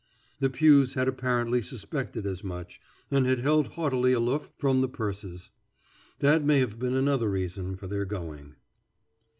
The pews had apparently suspected as much, and had held haughtily aloof from the purses. That may have been another reason for their going.